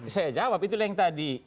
saya jawab itulah yang tadi